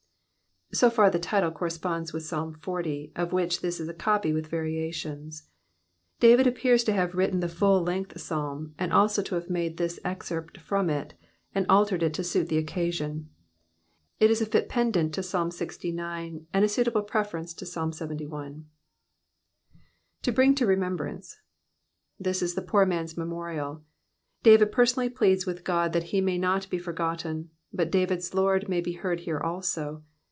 — «So/ar ihe ittle corresponds loUh Psalm XL.^ of tohich this is a copy wUh variations, David appears to have written tfu ftdt length Psalm, and also to have made this excerpt from it, and altered U to suU the occa sion, U is a fit pendant to Psalm LXIX., and a suitable preface to Psalm LXX I, To bring to remembrance Tliis is the poor mans memorial. David personally pleads toiU^ Qod thai he may not he forgotten, hut David^s Lord may he heard here also.